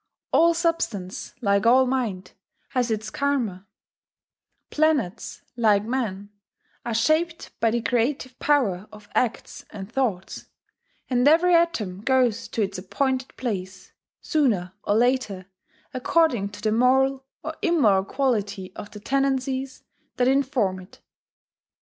All substance, like all mind, has its Karma; planets, like men, are shaped by the creative power of acts and thoughts; and every atom goes to its appointed place, sooner or later, according to the moral or immoral quality of the tendencies that inform it.